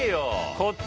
こっち